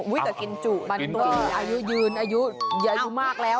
อ้วยแต่กินจุบัลตี้อายุยืนอายุแย่มากแล้ว